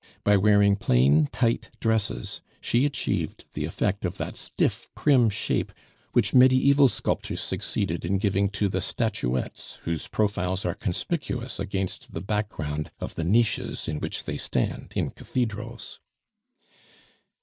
By wearing plain, tight dresses she achieved the effect of that stiff prim shape which medieval sculptors succeeded in giving to the statuettes whose profiles are conspicuous against the background of the niches in which they stand in cathedrals.